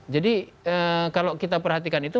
jadi kalau kita perhatikan itu